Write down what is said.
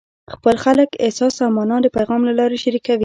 خلک خپل احساس او مانا د پیغام له لارې شریکوي.